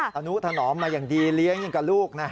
สนุทนอมมาอย่างดีเลี้ยงกับลูกน่ะ